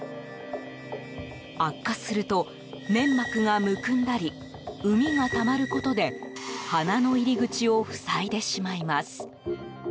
悪化すると粘膜がむくんだりうみがたまることで鼻の入り口を塞いでしまいます。